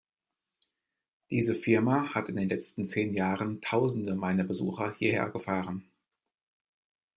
Diese Firma hat in den letzten zehn Jahren Tausende meiner Besucher hierher gefahren.